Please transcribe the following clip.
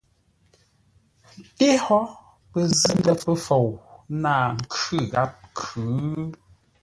Ńté hó pəzʉ́-ndə̂ pəfou náa khʉ gháp khʉ̌?